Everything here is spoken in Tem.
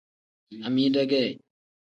Amida ge.